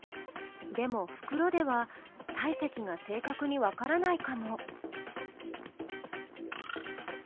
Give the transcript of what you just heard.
でもふくろでは体積が正確にわからないかも。